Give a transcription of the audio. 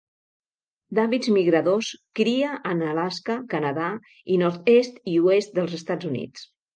D'hàbits migradors cria en Alaska, Canadà i nord-est i oest dels Estats Units.